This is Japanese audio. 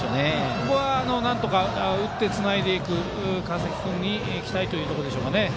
ここはなんとか打ってつないでいく川崎君に期待というところでしょうか。